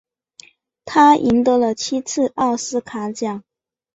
他赢得了七次奥斯卡奖。